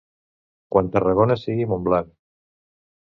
Quan Tarragona sigui Montblanc.